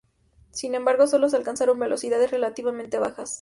Sin embargo, sólo se alcanzaron velocidades relativamente bajas.